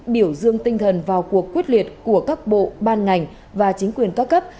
biểu dương tinh thần vào cuộc quyết liệt của các bộ ban ngành và chính quyền các cấp